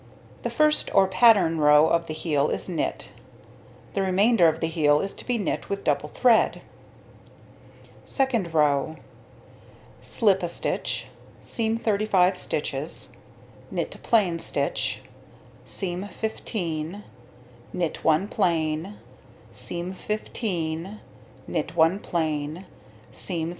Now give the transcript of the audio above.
The first or pattern row of the heel is knit; the remainder of the heel is to be knit with double thread. Second row: slip a stitch, seam 35 stitches, knit a plain stitch, seam 15, knit 1 plain, seam 15, knit 1 plain, seam 36.